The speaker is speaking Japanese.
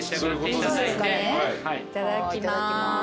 いただきます。